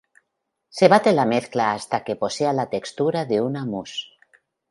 Se bate la mezcla hasta que posea la textura de una mousse.